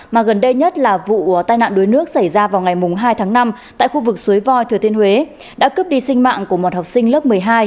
mà gần đây nhất là vụ tai nạn đuối nước xảy ra vào ngày hai tháng năm tại khu vực suối voi thừa thiên huế đã cướp đi sinh mạng của một học sinh lớp một mươi hai